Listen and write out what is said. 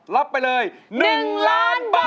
รับไปเลย๑ล้านบาท